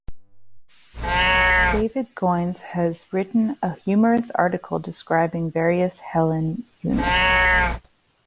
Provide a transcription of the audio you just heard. David Goines has written a humorous article describing various Helen-units.